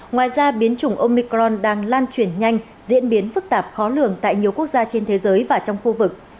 ngoài ra biến chủng omicron đang lan truyền nhanh diễn biến phức tạp khó lường tại nhiều quốc gia trên thế giới và trong khu vực